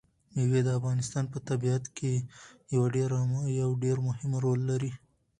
مېوې د افغانستان په طبیعت کې یو ډېر مهم رول لري.